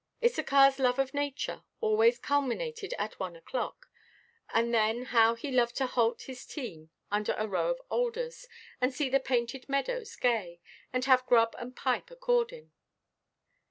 Issacharʼs love of nature always culminated at one oʼclock; and then how he loved to halt his team under a row of alders, and see the painted meadows gay, and have grub and pipe accordinʼ.